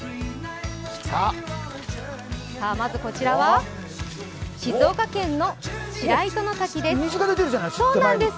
まずこちらは静岡県の白糸ノ滝です。